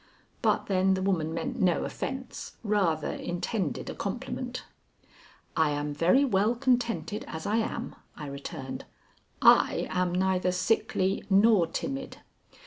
But then the woman meant no offence, rather intended a compliment. "I am very well contented as I am," I returned. "I am neither sickly nor timid."